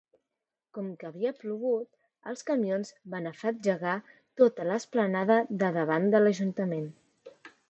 Com que havia plogut, els camions van afetgegar tota l'esplanada de davant de l'ajuntament.